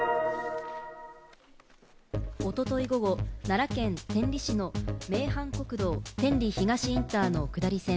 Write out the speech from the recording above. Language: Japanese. おととい午後、奈良県天理市の名阪国道・天理東インターの下り線。